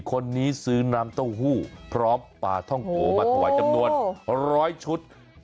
คนนี้ซื้อน้ำเต้าหู้พร้อมปลาท่องโกมาถวายจำนวนร้อยชุด